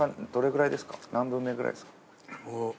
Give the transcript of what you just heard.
何分目くらいですか？